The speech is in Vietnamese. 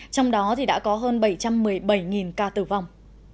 trong đó đã có hơn bảy trăm một mươi bảy ca tử vong